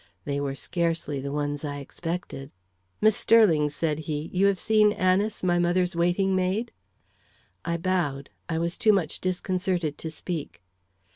They were scarcely the ones I expected. "Miss Sterling," said he, "you have seen Anice, my mother's waiting maid?" I bowed. I was too much disconcerted to speak.